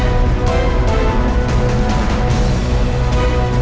ada yang harus raja jelasin ke gue